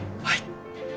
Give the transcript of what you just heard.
はい。